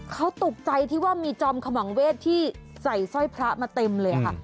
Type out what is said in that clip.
เขาตกใจที่ว่ามีจอมขมังเวทที่ใส่สร้อยพระมาเต็มเลยค่ะ